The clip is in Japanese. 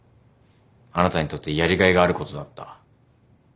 あなたにとってやりがいがあることだった。